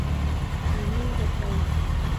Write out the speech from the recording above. Hà ni gật đầu